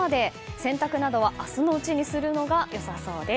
洗濯などは明日のうちにするのが良さそうです。